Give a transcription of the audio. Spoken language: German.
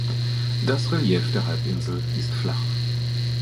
Das Relief der Halbinsel ist flach.